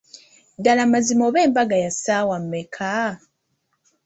Ddala mazima oba embaga ya ssaawa mmeka?